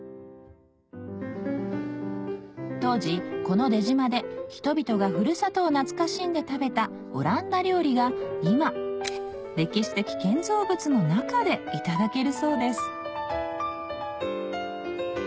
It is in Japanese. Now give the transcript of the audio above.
当時この出島で人々がふるさとを懐かしんで食べたオランダ料理が今歴史的建造物の中でいただけるそうです